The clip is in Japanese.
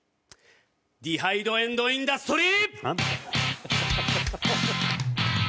ディハイドエンドインダストリー！